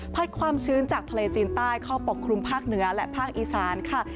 ความชื้นจากทะเลจีนใต้เข้าปกคลุมภาคเหนือและภาคอีสานค่ะ